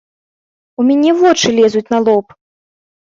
У мяне вочы лезуць на лоб!